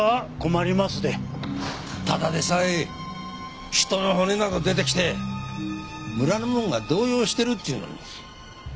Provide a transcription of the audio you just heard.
ただでさえ人の骨など出てきて村の者が動揺してるっていうのに。